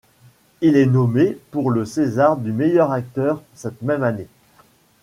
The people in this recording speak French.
Il est nommé pour le César du meilleur acteur cette même année.